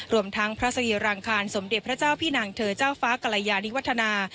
รวมทั้งพระสรีรังคารสมเด็จพระเจ้าพี่นางเธอเจ้าฟ้ากรยานิวัฒนา